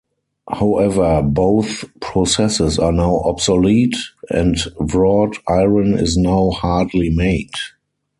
However both processes are now obsolete, and wrought iron is now hardly made.